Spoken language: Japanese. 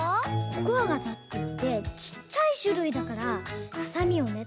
「コクワガタ」っていってちっちゃいしゅるいだからはさみをね